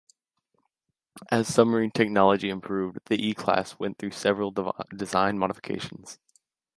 As submarine technology improved, the E class went through several design modifications.